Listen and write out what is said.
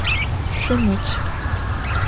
Şümıçç!